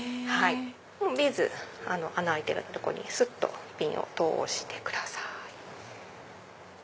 ビーズ穴開いてるとこにすっとピンを通してください。